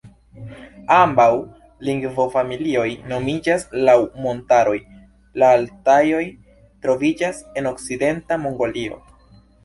Ambaŭ lingvofamilioj nomiĝas laŭ montaroj; la Altajoj troviĝas en okcidenta Mongolio.